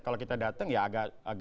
kalau kita datang ya agak